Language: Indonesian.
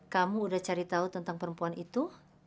kamu udah cari tahu tentang perempuan itu